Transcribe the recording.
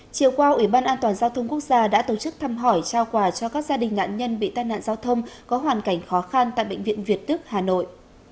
chiều qua ủy ban an toàn giao thông quốc gia đã tổ chức thăm hỏi trao quà cho các gia đình nạn nhân bị tai nạn giao thông có hoàn cảnh khó khăn tại bệnh viện việt đức hà nội